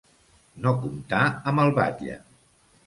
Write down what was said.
No comptar amb el batlle.